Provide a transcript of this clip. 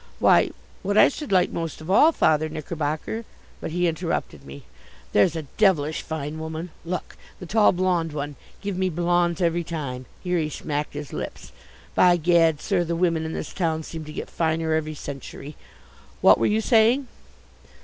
"Why, what I should like most of all, Father Knickerbocker " But he interrupted me. "There's a devilish fine woman! Look, the tall blonde one! Give me blondes every time!" Here he smacked his lips. "By gad, sir, the women in this town seem to get finer every century. What were you saying?"